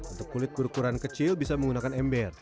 untuk kulit berukuran kecil bisa menggunakan ember